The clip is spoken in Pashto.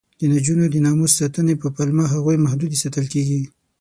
د نجونو د ناموس ساتنې په پلمه هغوی محدودې ساتل کېږي.